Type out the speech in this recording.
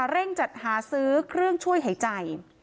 เร่งจัดหาซื้อเครื่องช่วยหายใจ